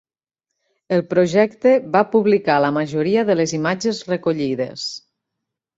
El projecte va publicar la majoria de les imatges recollides.